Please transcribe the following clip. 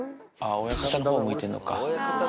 親方のほう向いてるのか。